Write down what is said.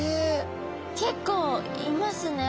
結構いますね。